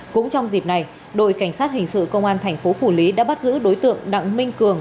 cũng trong dịp này đội cảnh sát hình sự công an thành phố phủ lý đã bắt giữ đối tượng đặng minh cường